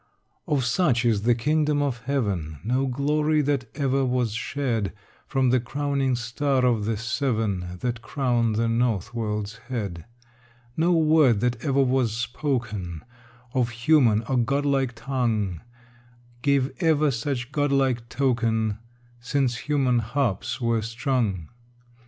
XXII Of such is the kingdom of heaven, No glory that ever was shed From the crowning star of the seven That crown the north world's head, No word that ever was spoken Of human or godlike tongue, Gave ever such godlike token Since human harps were strung.